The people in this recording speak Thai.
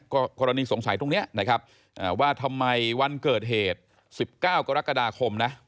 ก็กรณีสงสัยตรงนี้นะครับว่าทำไมวันเกิดเหตุ๑๙กรกฎาคมนะ